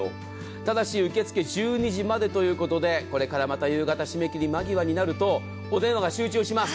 ただし受け付け１２時までということでこれからまた夕方締めきり間際になるとお電話集中します。